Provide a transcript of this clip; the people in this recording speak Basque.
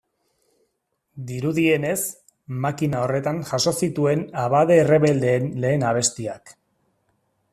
Dirudienez, makina horretan jaso zituen abade errebeldeen lehen abestiak.